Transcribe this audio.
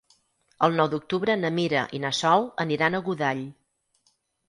El nou d'octubre na Mira i na Sol aniran a Godall.